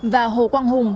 và hồ quang hùng